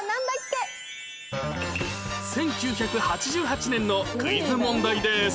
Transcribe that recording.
１９８８年のクイズ問題です